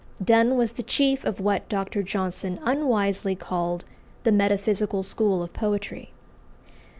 Donne was the chief of what Dr. Johnson unwisely called "the metaphysical school of poetry."